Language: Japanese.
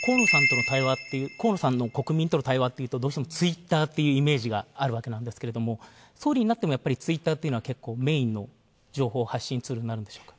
河野さんの国民との対話というとどうしてもツイッターっていうイメージがあるわけなんですけども総理になっても、ツイッターというのは結構、メインの情報発信ツールになるんでしょうか？